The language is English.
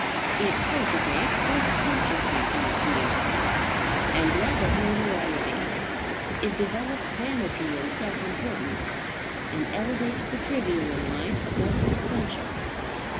It cultivates self consciousness in the community, and love of notoriety; it develops vanity and self importance, and elevates the trivial in life above the essential.